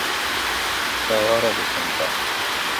Xa é hora de xantar